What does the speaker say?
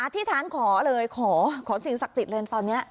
อธิษฐานขอเลยขอสิ่งศักดิ์จิตเลยตอนนี้